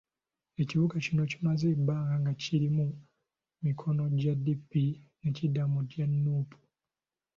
Ekibuga kino kimaze ebbanga nga kiri mu mikono gya DP, ne kidda mu gya Nuupu.